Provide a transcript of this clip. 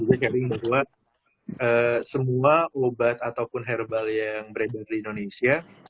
ingin buat semua obat ataupun herbal yang beredar di indonesia